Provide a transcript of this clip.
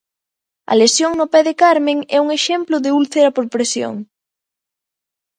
A lesión no pé de Carmen é un exemplo de úlcera por presión.